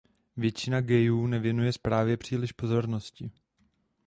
Většina gayů nevěnuje zprávě příliš pozornosti.